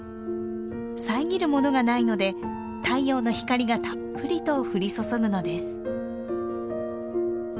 遮るものがないので太陽の光がたっぷりと降り注ぐのです。